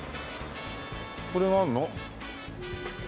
これがあるの？